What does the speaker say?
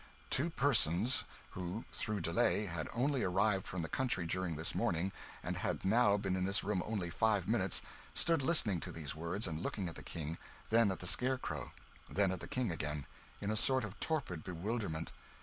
Two persons, who, through delay, had only arrived from the country during this morning, and had now been in this room only five minutes, stood listening to these words and looking at the King, then at the scarecrow, then at the King again, in a sort of torpid bewilderment.